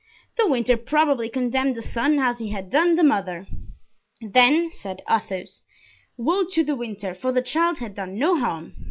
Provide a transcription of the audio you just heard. De Winter probably condemned the son as he had done the mother." "Then," said Athos, "woe to De Winter, for the child had done no harm."